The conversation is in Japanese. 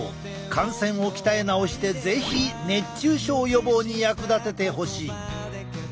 汗腺を鍛え直して是非熱中症予防に役立ててほしい。